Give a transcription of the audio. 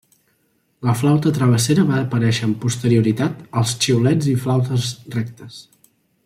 La flauta travessera va aparèixer amb posterioritat als xiulets i flautes rectes.